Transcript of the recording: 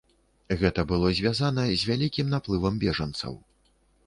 Гэта было звязана з вялікім наплывам бежанцаў.